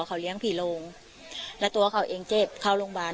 เขาเลี้ยงผีโรงแล้วตัวเขาเองเจ็บเข้าโรงพยาบาล